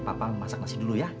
papang masak nasi dulu ya